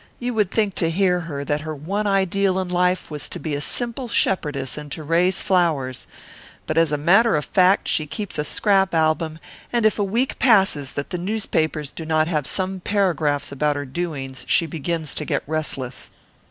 You would think to hear her that her one ideal in life was to be a simple shepherdess and to raise flowers; but, as a matter of fact, she keeps a scrap album, and if a week passes that the newspapers do not have some paragraphs about her doings, she begins to get restless."